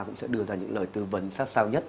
cũng sẽ đưa ra những lời tư vấn sát sao nhất